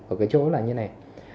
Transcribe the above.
ở cái chỗ là như này